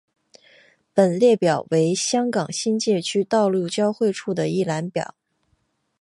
本列表为香港新界区道路交汇处的一览表。